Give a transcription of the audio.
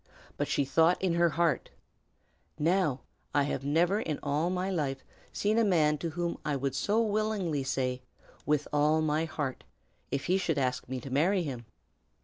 But she thought in her heart, "Now, I have never, in all my life, seen a man to whom I would so willingly say, 'With all my heart!' if he should ask me to marry him."